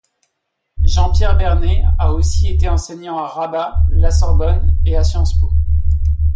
Jean-Pierre Bernés a aussi été enseignant à Rabat, la Sorbonne et à Sciences Po.